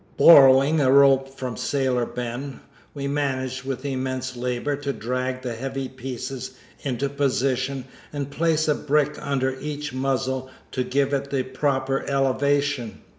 Borrowing a rope from Sailor Ben, we managed with immense labor to drag the heavy pieces into position and place a brick under each muzzle to give it the proper elevation.